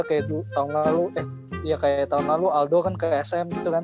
kayak tahun lalu aldo kan ke sm gitu kan